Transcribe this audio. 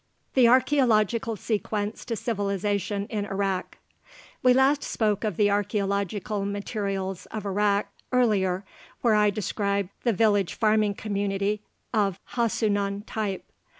THE ARCHEOLOGICAL SEQUENCE TO CIVILIZATION IN IRAQ We last spoke of the archeological materials of Iraq on page 130, where I described the village farming community of Hassunan type.